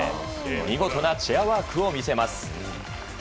見事なチェアワークを見せます。